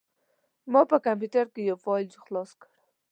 ما په کمپوټر کې یو فایل خلاص کړ.